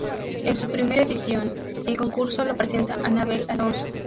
En su primera edición, el concurso lo presenta Anabel Alonso.